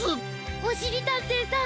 おしりたんていさん